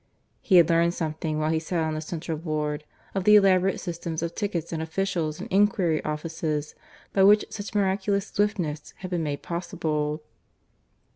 (He had learned something, while he sat on the central board, of the elaborate system of tickets and officials and enquiry offices by which such miraculous swiftness had been made possible.)